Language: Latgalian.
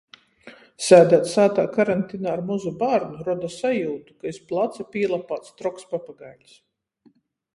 Sēdēt sātā karantinā ar mozu bārnu roda sajiutu, ka iz placa pīlapāts troks papagaiļs.